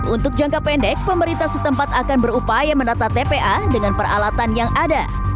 untuk jangka pendek pemerintah setempat akan berupaya menata tpa dengan peralatan yang ada